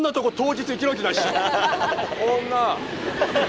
こんな。